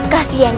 kasian dia nih